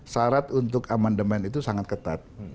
syarat untuk amandemen itu sangat ketat